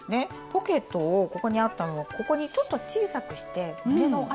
ポケットをここにあったのをここにちょっと小さくして胸の辺りにつけました。